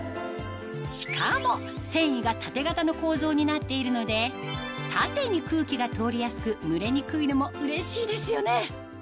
しかも繊維が縦型の構造になっているので縦に空気が通りやすくムレにくいのもうれしいですよね